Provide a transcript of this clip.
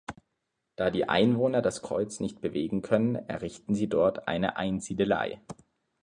Da die Einwohner das Kreuz nicht bewegen können, errichten sie dort eine Einsiedelei.